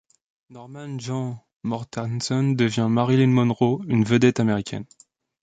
Norman Jean Mortenson devient Marilyn Monroe, une vedette américaine.